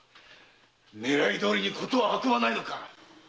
狙いどおりに事は運ばないのか！